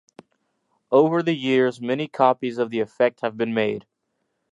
Over the years, many copies of the effect have been made.